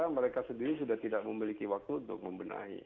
karena mereka sendiri sudah tidak memiliki waktu untuk membenahi